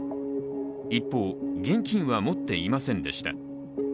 一方、現金は持っていませんでした。